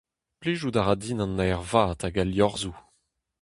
Plijout a ra din an aer vat hag al liorzhoù.